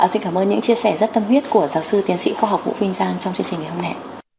xin cảm ơn những chia sẻ rất tâm huyết của giáo sư tiến sĩ khoa học vũ vinh giang trong chương trình ngày hôm nay